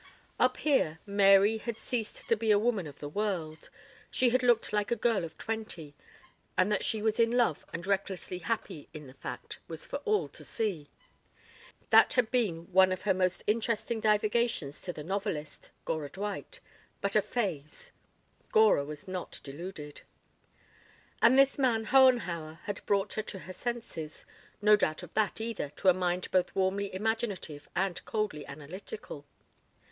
Up here "Mary" had ceased to be a woman of the world, she had looked like a girl of twenty: and that she was in love and recklessly happy in the fact, was for all to see. That had been one of her most interesting divagations to the novelist, Gora Dwight but a phase. Gora was not deluded. And this man Hohenhauer had brought her to her senses; no doubt of that either to a mind both warmly imaginative and coldly analytical.